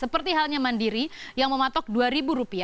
seperti halnya mandiri yang mematok rp dua